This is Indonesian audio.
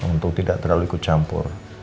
untuk tidak terlalu ikut campur